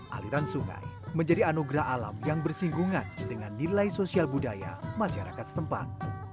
aliran sungai menjadi anugerah alam yang bersinggungan dengan nilai sosial budaya masyarakat setempat